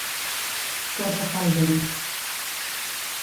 Córrer tal vent.